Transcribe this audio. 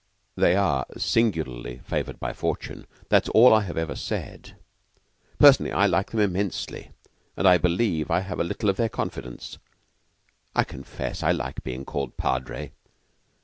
"They are singularly favored by fortune. That is all I ever said. Personally, I like them immensely, and I believe I have a little of their confidence. I confess I like being called 'Padre.